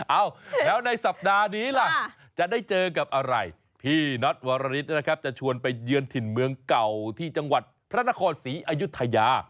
เอ้าแล้วในสัปดาห์นี้ล่ะจะได้เจอกับอะไรพี่น็อตวรริสนะครับจะชวนไปเยือนถิ่นเมืองเก่าที่จังหวัดพระนครศรีอายุทยา